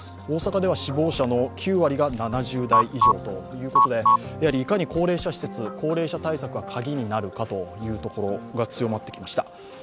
大阪では死亡者の９割が７０代以上ということでやはりいかに高齢者施設、高齢者対策がカギになるかというところが強まってきました。